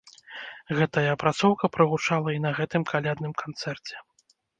Гэтая апрацоўка прагучала і на гэтым калядным канцэрце.